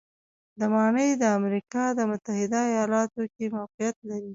دا ماڼۍ د امریکا د متحدو ایالتونو کې موقعیت لري.